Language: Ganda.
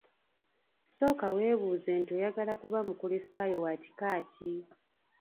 Sooka webuuze nti oyagala kuba mukristayo wa kika ki?